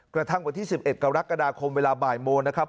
กระทั่งวันที่๑๑กรกฎาคมเวลาบ่ายโมงนะครับ